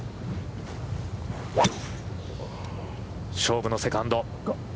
勝負のセカンド。